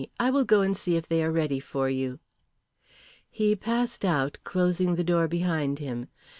I will go and see if they are ready for you." He passed out, closing the door behind him.